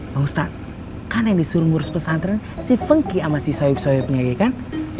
bang ustadz kan yang disuruh ngurus pesantren si funky sama si soeb soebnya ya kan